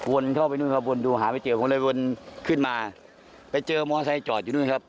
เข้าไปนู่นเข้าวนดูหาไม่เจอผมเลยวนขึ้นมาไปเจอมอไซค์จอดอยู่นู่นครับ